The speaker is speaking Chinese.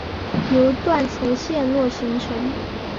由断层陷落形成。